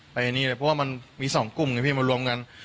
เพราะว่ามันมี๒กลุ่มพี่มารวมกัน